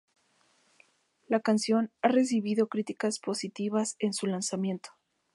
La canción ha recibido críticas positivas en su lanzamiento.